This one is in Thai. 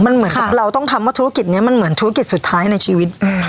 เราต้องทำว่าธุรกิจนี้มันเหมือนธุรกิจสุดท้ายในชีวิต